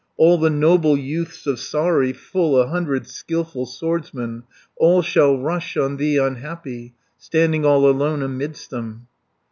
All the noble youths of Saari, Full a hundred skilful swordsmen, 100 All shall rush on thee unhappy, Standing all alone amidst them."